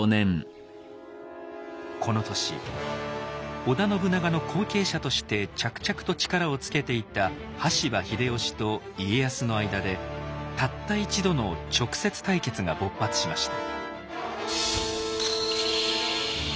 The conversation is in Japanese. この年織田信長の後継者として着々と力をつけていた羽柴秀吉と家康の間でたった一度の直接対決が勃発しました。